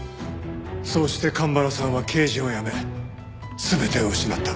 そうして神原さんは刑事を辞め全てを失った。